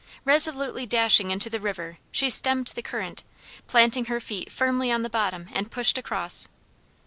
Resolutely dashing into the river, she stemmed the current, planting her feet firmly on the bottom and pushed across.